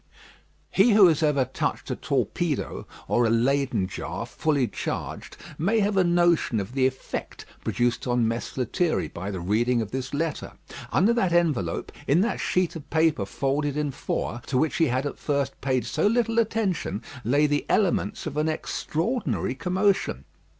He who has ever touched a torpedo, or a Leyden jar fully charged, may have a notion of the effect produced on Mess Lethierry by the reading of this letter. Under that envelope, in that sheet of paper folded in four, to which he had at first paid so little attention, lay the elements of an extraordinary commotion.